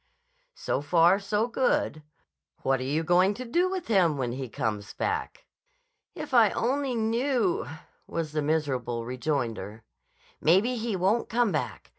"So far, so good. What are you going to do with him when he comes back?" "If I only knew!" was the miserable rejoinder. "Maybe he won't come back.